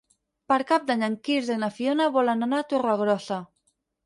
Per Cap d'Any en Quirze i na Fiona volen anar a Torregrossa.